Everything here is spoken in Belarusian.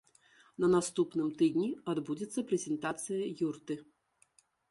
На наступным тыдні адбудзецца прэзентацыя юрты.